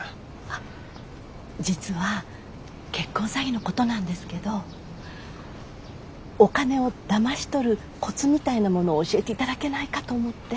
あっ実は結婚詐欺のことなんですけどお金をだまし取るコツみたいなものを教えていただけないかと思って。